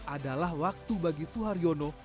adalah waktu bagi suharyono